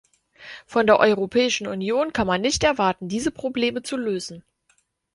Von der Europäischen Union kann man nicht erwarten, diese Probleme zu lösen.